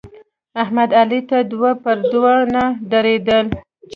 احمد علي ته دوه پر دوه نه درېدل.